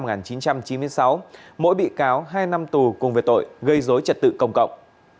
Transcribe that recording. trong năm một nghìn chín trăm chín mươi sáu mỗi bị cáo hai năm tù cùng về tội gây dối trật tự công cộng